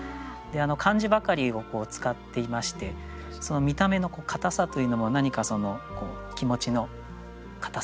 漢字ばかりを使っていましてその見た目の硬さというのも何かその気持ちの硬さといいますかね。